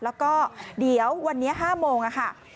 แล้วก็เดี๋ยววันนี้๕โมงค่ะ